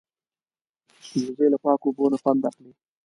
وزې له پاکو اوبو نه خوند اخلي